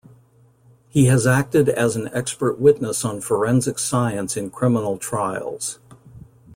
He has acted as an expert witness on forensic science in criminal trials.